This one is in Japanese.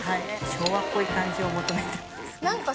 ・昭和っぽい感じを求めたんです。